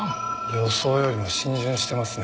予想よりも浸潤してますね。